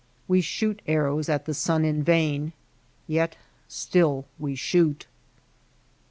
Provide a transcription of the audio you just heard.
We shoot arrows at the sun in vain ; yet still we shoot.